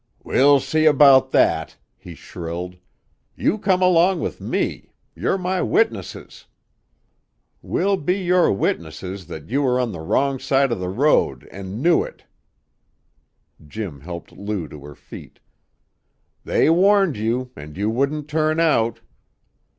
"We'll see about that," he shrilled. "You come along with me! You're my witnesses " "We'll be your witnesses that you were on the wrong side of the road, and knew it," Jim helped Lou to her feet. "They warned you, and you wouldn't turn out."